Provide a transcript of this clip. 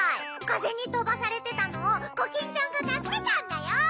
かぜにとばされてたのをコキンちゃんがたすけたんだよ。